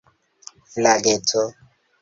flageto